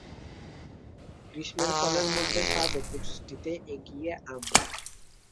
গ্রীষ্মের ফলের মধ্যে স্বাদ ও পুষ্টিতে এগিয়ে আম।